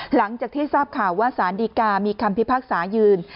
หลังจากที่ทราบข่าวว่าสารดีกามีคำพิพากษายืน